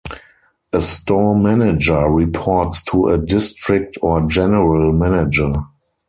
A store manager reports to a district or general manager.